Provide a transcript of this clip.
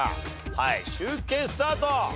はい集計スタート。